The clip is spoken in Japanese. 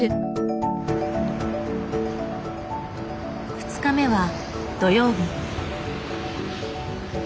２日目は土曜日。